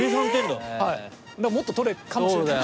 だからもっと取れたかもしれない。